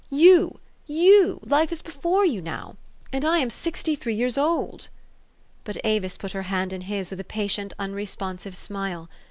You you ! life is before you now. And I am sixty three years old." But Avis put her hand in his with a patient, un responsive smile.